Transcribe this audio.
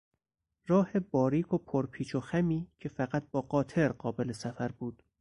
راه باریک و پرپیچ و خمی که فقط با قاطر قابل سفر بود